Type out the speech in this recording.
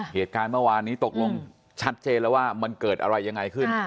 เหตุการณ์เมื่อวานนี้ตกลงชัดเจนแล้วว่ามันเกิดอะไรยังไงขึ้น